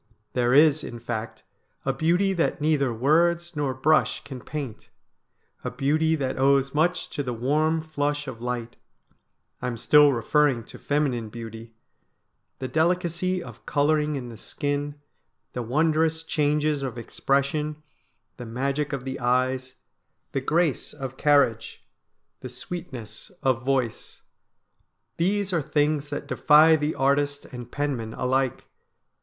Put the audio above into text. There is, in fact, a beauty that neither words nor brush can paint, a beauty that owes much to the warm flush of light — I am still referring to feminine beauty — the delicacy of colouring in the skin, the wondrous changes of expression, the magic of the eyes, the grace of carriage, the sweetness of voice. These are things that defy the artist and penman alike.